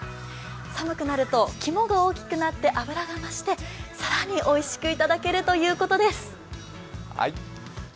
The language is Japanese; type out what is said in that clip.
寒くなると肝が大きくなって脂が増して更においしく頂けるということです。